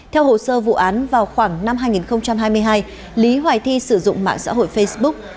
theo hồ sơ vụ án vào khoảng năm hai nghìn hai mươi hai lý hoài thi sử dụng mạng xã hội facebook